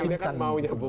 mereka kan maunya ke bumb